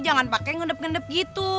jangan pakai ngendep ngendep gitu